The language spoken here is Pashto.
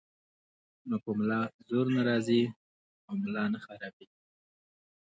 نو پۀ ملا زور نۀ راځي او ملا نۀ خرابيږي -